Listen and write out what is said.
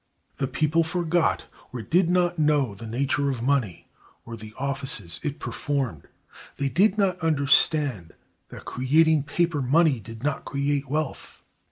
The people forgot, or did not know, the nature of money, or the offices it performed. They did not understand that creating paper money did not create wealth.